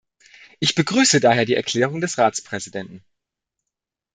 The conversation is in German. Ich begrüße daher die Erklärung des Ratspräsidenten.